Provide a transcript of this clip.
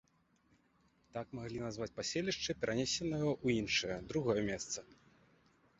Так маглі назваць паселішча, перанесенае ў іншае, другое месца.